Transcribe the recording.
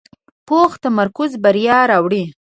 پوخ تمرکز بریا راوړي